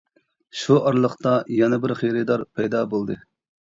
شۇ ئارىلىقتا يەنە بىر خېرىدار پەيدا بولدى.